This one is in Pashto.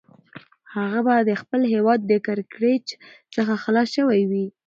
هغه به د خپل هیواد له کړکېچ څخه خلاص شوی وي.